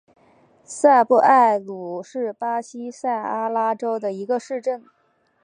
萨布埃鲁是巴西塞阿拉州的一个市镇。